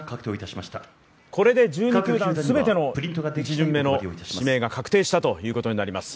これで１２球団全ての１巡目の指名が確定したということになります。